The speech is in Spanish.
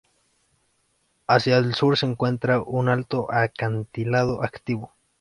Hacia el sur se encuentra un alto acantilado activo.